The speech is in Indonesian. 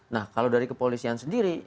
nah kalau dari kepolisian sendiri